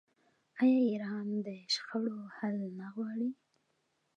آیا ایران د شخړو حل نه غواړي؟